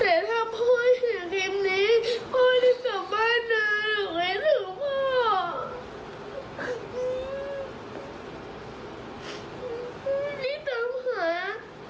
ที่ตามหาหนูให้เจอนุนทุกคน